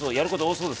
そうです。